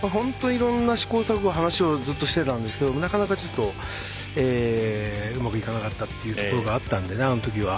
いろんな試行錯誤話をずっとしてたんですけどなかなかうまくいかなかったことがあったので、あのときは。